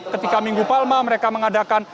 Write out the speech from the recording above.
ketika minggu palma mereka mengadakan